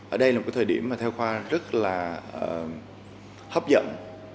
ở đây là một cái thời điểm mà theo khoa rất là hấp dẫn